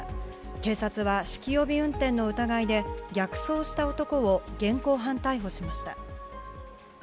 警察は酒気帯び運転の疑いで逆走した男を現行犯逮捕しました。